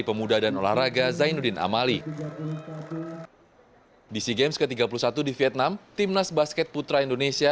pemuda dan olahraga zainuddin amali di sea games ke tiga puluh satu di vietnam timnas basket putra indonesia